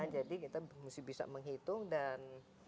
jadi kita mesti bisa menghitung dan